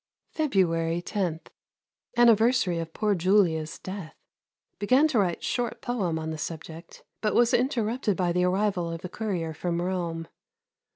February 10. Anniversary of poor Julia's death. Began to write short poem on the subject, but was interrupted by the arrival of the courier from Rome.